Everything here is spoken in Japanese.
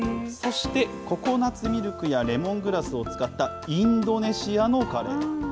そしてココナツミルクやレモングラスを使ったインドネシアのカレー。